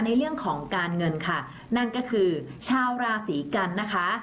ในเรื่องของการเงินค่ะนั่นก็คือชาวราศีกันนะคะ